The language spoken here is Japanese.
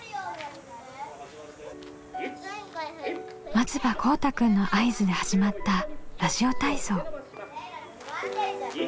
松場こうたくんの合図で始まったラジオ体操。